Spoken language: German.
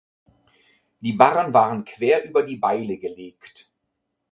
Die Barren waren quer über die Beile gelegt.